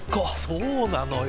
そうなのよ。